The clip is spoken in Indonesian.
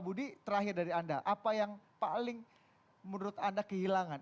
budi terakhir dari anda apa yang paling menurut anda kehilangan